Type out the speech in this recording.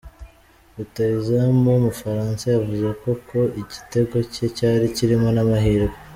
Rutahizamu w'Umufaransa yavuze ko ko igitego cye cyari kirimo n'amahirwe.